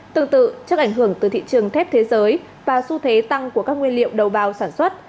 tương tự trước ảnh hưởng từ thị trường thép thế giới và xu thế tăng của các nguyên liệu đầu vào sản xuất